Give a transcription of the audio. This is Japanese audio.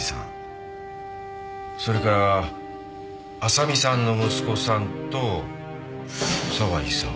それからあさみさんの息子さんと沢イサオ。